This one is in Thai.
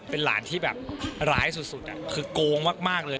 เป็นหลานที่แบบร้ายสุดคือโกงมากเลย